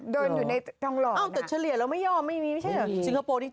เดินอยู่ในทองหล่อเอ้าแต่เฉลี่ยเราไม่ยอมไม่มีไม่ใช่เหรอสิงคโปร์ที่